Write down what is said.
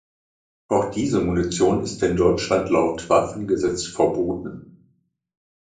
Auch diese Munition ist in Deutschland laut Waffengesetz verboten.